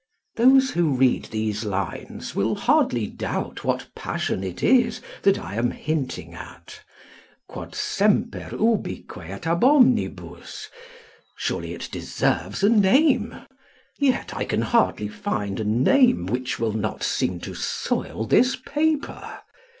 Those who read these lines will hardly doubt what passion it is that I am hinting at. Quod semper ubique et ab omnibus surely it deserves a name. Yet I can hardly find a name which will not seem to soil this paper.